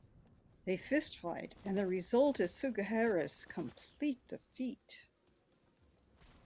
They fistfight, and the result is Sugihara's complete defeat.